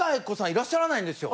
いらっしゃらないんですよ。